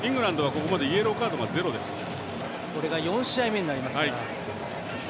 これが４試合目になります。